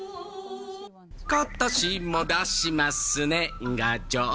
今年も出します年賀状。